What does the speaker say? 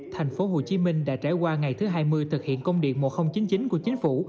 thành phố hồ chí minh đã trải qua ngày thứ hai mươi thực hiện công điện một nghìn chín mươi chín của chính phủ